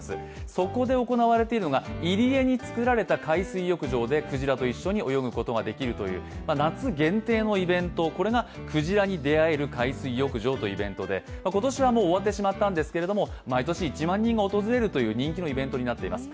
そこで行われているのが入り江に作られた海水浴場でクジラと一緒に泳ぐことができるという夏限定のイベントがくじらに出会える海水浴場というもので今年はもう終わってしまったんですけれども毎年１万人が訪れるという人気のイベントになっています。